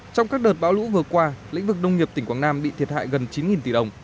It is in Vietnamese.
trong các đợt bão lũ vừa qua lĩnh vực nông nghiệp tỉnh quảng nam bị thiệt hại gần chín tỷ đồng